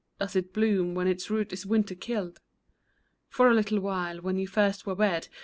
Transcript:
Does it bloom when its root is winter killed ? For a little while, when you first were wed.